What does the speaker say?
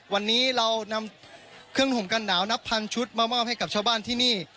วันนี้เรานำเครื่องห่มกันหนาวนับพันชุดมามอบให้กับชาวบ้านที่นี่